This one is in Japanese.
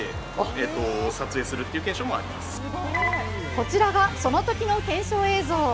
こちらが、そのときの検証映像。